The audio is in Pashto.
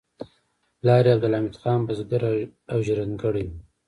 پلار یې عبدالحمید خان بزګر او ژرندګړی و